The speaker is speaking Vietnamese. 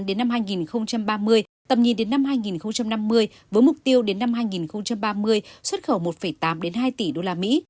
đến năm hai nghìn ba mươi tầm nhìn đến năm hai nghìn năm mươi với mục tiêu đến năm hai nghìn ba mươi xuất khẩu một tám hai tỷ đô la mỹ